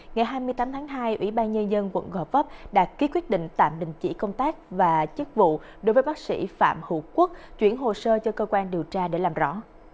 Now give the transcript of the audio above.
ngày hai mươi tám tháng hai ủy ban nhân dân quận gò vấp đã ký quyết định tạm đình chỉ công tác và chức vụ đối với bác sĩ phạm hữu quốc chuyển hồ sơ cho cơ quan điều tra để làm rõ